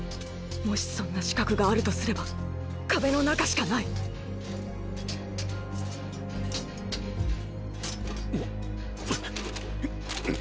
もしそんな死角があるとすれば壁の中しかないお！